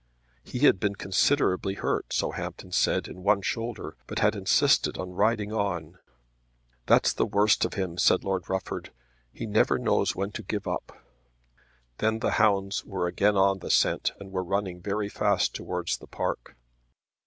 He had been considerably hurt, so Hampton said, in one shoulder, but had insisted on riding on. "That's the worst of him," said Lord Rufford. "He never knows when to give up." Then the hounds were again on the scent and were running very fast towards the park.